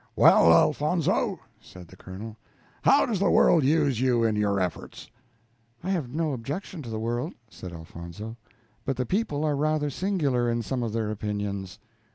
"Well, Elfonzo," said the Colonel, "how does the world use you in your efforts?" "I have no objection to the world," said Elfonzo, "but the people are rather singular in some of their opinions."